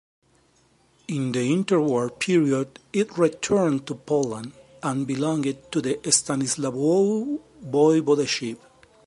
In the interwar period, it returned to Poland, and belonged to the Stanislawow Voivodeship.